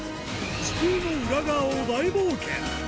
地球の裏側を大冒険。